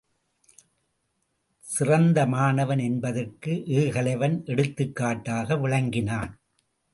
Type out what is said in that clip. சிறந்த மாணவன் என்பதற்கு ஏகலைவன் எடுத்துக் காட்டாக விளங்கினான்.